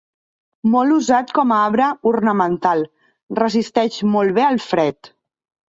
Molt usat com a arbre ornamental, resisteix molt bé el fred.